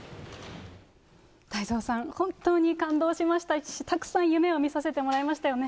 太蔵さん、本当に感動しましたし、たくさん夢を見させてもらいましたよね。